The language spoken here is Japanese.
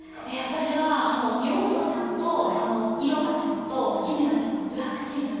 私はヨンソちゃんとイロハちゃんとヒメナちゃんのあのブラックチーム。